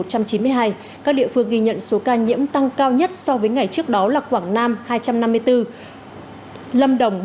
các địa phương ghi nhận số ca nhiễm tăng cao nhất so với ngày trước đó là quảng nam hai trăm năm mươi bốn lâm đồng một trăm một mươi năm